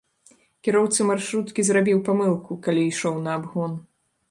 Кіроўца маршруткі зрабіў памылку, калі ішоў на абгон.